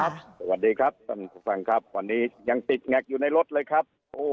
สวัสดีครับท่านผู้ฟังครับวันนี้ยังติดแงกอยู่ในรถเลยครับ